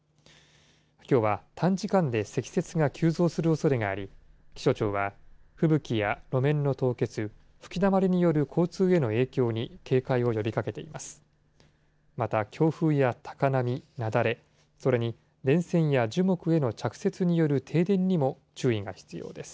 きょうは短時間で積雪が急増するおそれがあり、気象庁は、吹雪や路面の凍結、吹きだまりによる交通への影響に警戒を呼びかけています。